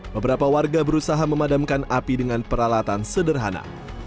beberapa warga berusaha memadamkan api dengan peralatan sederhana